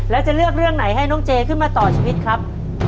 แล้วจะเลือกเรื่องไหนให้น้องเจขึ้นมาต่อชีวิตครับ